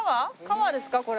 これ。